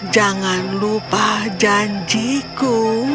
jangan lupa janjiku